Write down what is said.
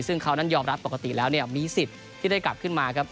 ซึ่งเขานั้นยอมรับปกติแล้วเนี่ยมีสิทธิ์ที่ได้กลับขึ้นมาครับ